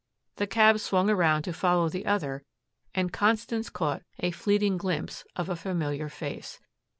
The cab swung around to follow the other and Constance caught a fleeting glimpse of a familiar face.